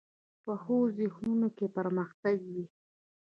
پخو ذهنونو کې پرمختګ وي